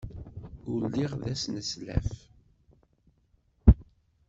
Ul lliɣ d aneslaf.